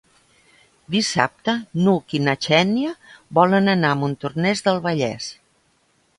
Dissabte n'Hug i na Xènia volen anar a Montornès del Vallès.